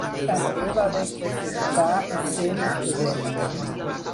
També va representar escenes de gènere.